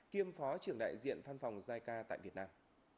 kiêm phó trưởng đại diện phan phòng giai ca tại việt nam